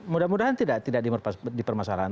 mudah mudahan tidak dipermasalahkan